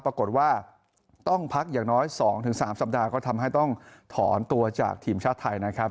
ปรากฏว่าต้องพักอย่างน้อย๒๓สัปดาห์ก็ทำให้ต้องถอนตัวจากทีมชาติไทยนะครับ